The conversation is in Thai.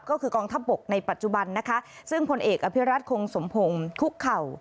ก็คือกองทัพบกในปัจจุบันนะคะซึ่งผลเอกอภิรัตคงสมพงศ์คุกเข่า